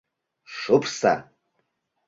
— Шупшса.